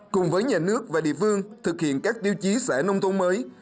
cùng với nhà nước và địa phương thực hiện các tiêu chí xã nông thôn mới